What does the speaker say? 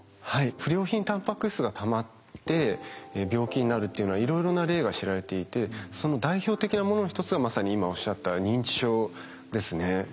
不良品タンパク質がたまって病気になるっていうのはいろいろな例が知られていてその代表的なものの一つがまさに今おっしゃった認知症ですね。